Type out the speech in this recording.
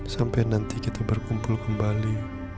sampai nanti kita berkumpul kembali